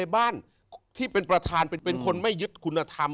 บ้านที่เป็นประธานเป็นคนไม่ยึดคุณธรรม